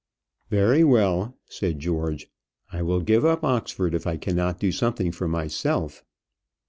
"Very well," said George, "I will give up Oxford if I cannot do something for myself."